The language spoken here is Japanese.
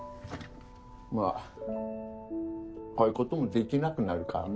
まぁこういうこともできなくなるからな。